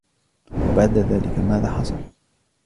وبعد ذلك، ماذا حصل؟